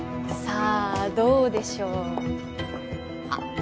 さあどうでしょうあっ